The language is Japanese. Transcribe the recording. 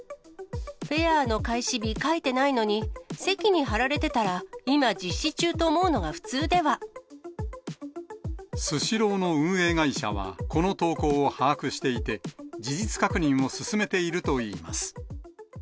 フェアの開始日書いてないのに、席に貼られてたら、今、スシローの運営会社は、この投稿を把握していて、事実確認を進めているといいます。